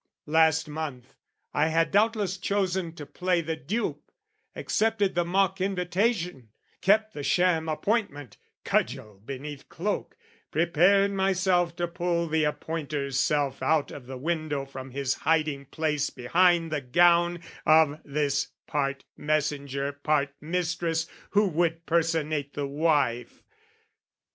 "Last month, I had doubtless chosen to play the dupe, "Accepted the mock invitation, kept "The sham appointment, cudgel beneath cloak, "Prepared myself to pull the appointer's self "Out of the window from his hiding place "Behind the gown of this part messenger "Part mistress who would personate the wife.